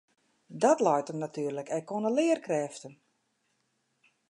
Dat leit him natuerlik ek oan de learkrêften.